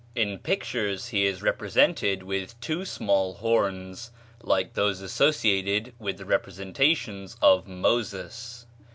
In pictures he is represented with two small horns, like those associated with the representations of Moses.